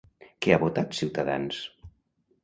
Què ha votat Ciutadans?